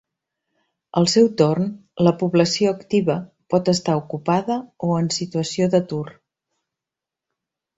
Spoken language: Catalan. Al seu torn, la població activa pot estar ocupada o en situació d'atur.